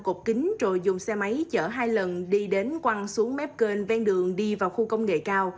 cột kính rồi dùng xe máy chở hai lần đi đến quăng xuống mép kênh ven đường đi vào khu công nghệ cao